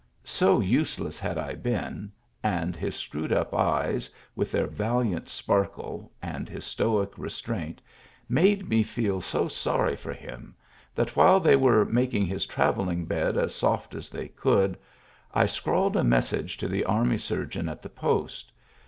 So useless had I been, and his screwed up eyes, with their valiant sparkle, and his stoic restraint, made me feel so sorry for him, that while they were making his travelling bed as soft as they could I scrawled a message to the army surgeon at the Post.